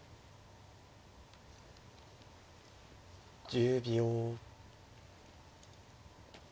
１０秒。